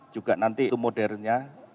juga nanti itu modernnya